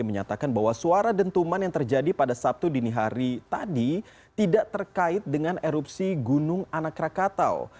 menyatakan bahwa suara dentuman yang terjadi pada sabtu dini hari tadi tidak terkait dengan erupsi gunung anak rakatau